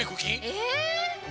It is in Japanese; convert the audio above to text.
え！